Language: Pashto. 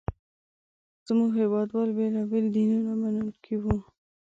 زموږ هېواد وال بېلابېل دینونه منونکي وو.